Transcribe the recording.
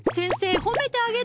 褒めてあげて！